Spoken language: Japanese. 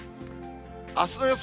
あすの予想